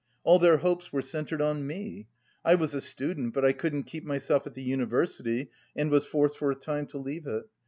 All their hopes were centered on me. I was a student, but I couldn't keep myself at the university and was forced for a time to leave it.